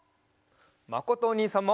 まことおにいさんも。